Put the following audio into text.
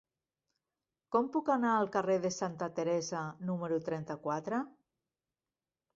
Com puc anar al carrer de Santa Teresa número trenta-quatre?